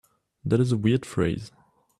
That is a weird phrase.